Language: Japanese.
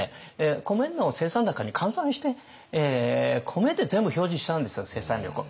米の生産高に換算して米で全部表示したんですよ生産力を。